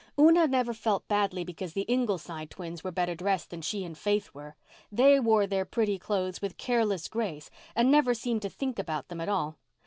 Una never felt badly because the Ingleside twins were better dressed than she and Faith were. They wore their pretty clothes with careless grace and never seemed to think about them at all.